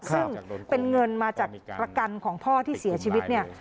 ซึ่งเป็นเงินมาจากประกันของพ่อที่เสียชีวิตเนี่ย